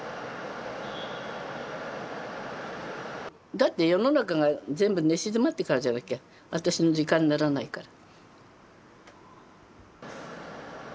だって世の中が全部寝静まってからじゃなきゃ私の時間にならないから。